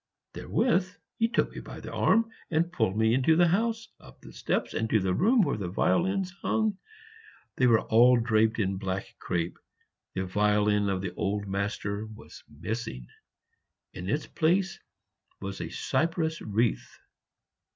Therewith he took me by the arm and pulled me into the house, up the steps, into the room where the violins hung. They were all draped in black crape; the violin of the old master was missing; in its place was a cypress wreath.